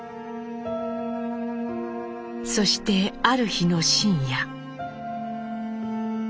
そしてある日の深夜。